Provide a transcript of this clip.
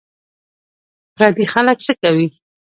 پردي خلک څه کوې